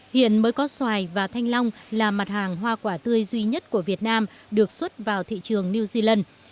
hiện mới có xoài và thanh long là mặt hàng hoa quả tươi duy nhất của việt nam được xuất vào thị trường new zealand